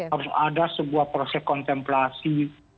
harus ada sebuah proses kontemplasi